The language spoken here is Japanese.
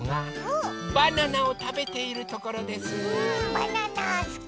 バナナすき！